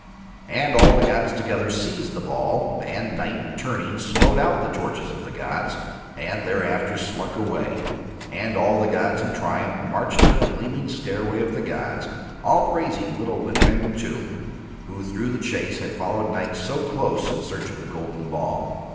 And all the gods together seized the ball, and Night turning smote out the torches of the gods and thereafter slunk away; and all the gods in triumph marched up the gleaming stairway of the gods, all praising little Limpang Tung, who through the chase had followed Night so close in search of the golden ball.